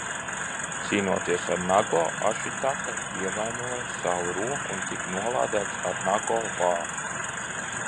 Cīnoties ar Nago, Ašitaka ievainoja savu roku un tika nolādēts ar Nago lāstu.